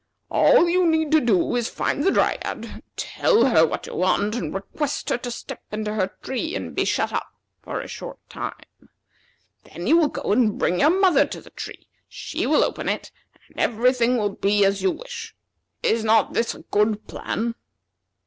All you need do is to find the Dryad, tell her what you want, and request her to step into her tree and be shut up for a short time. Then you will go and bring your mother to the tree; she will open it, and every thing will be as you wish. Is not this a good plan?"